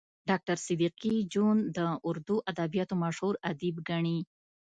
ډاکټر صدیقي جون د اردو ادبياتو مشهور ادیب ګڼي